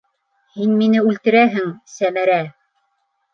Һин мине үлтерәһең, Сәмәрә!